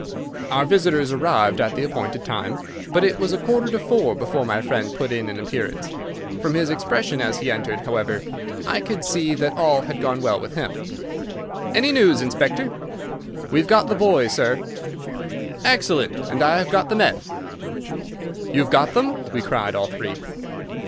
Our visitors arrived at the appointed time, but it was a quarter to four before my friend put in an appearance. From his expression as he entered, however, I could see that all had gone well with him. "Any news, Inspector?" "We have got the boy, sir." "Excellent, and I have got the men." "You have got them!" we cried, all three.